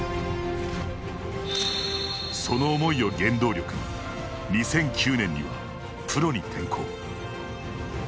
その思いを原動力に２００９年には、プロに転向。